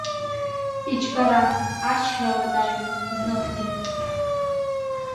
Иџьбаран, ачҳара уадаҩны, зныхгьы.